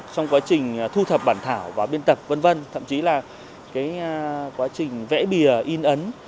trong quá trình thu thập bản thảo và biên tập v v thậm chí là quá trình vẽ bìa in ấn